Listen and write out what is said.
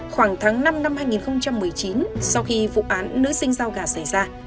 khoảng tháng năm năm hai nghìn một mươi chín sau khi vụ án nữ sinh giao gà xảy ra